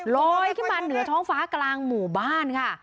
ลอยขึ้นมาเหนือท้องฟ้ากลางหมู่บ้านค่ะ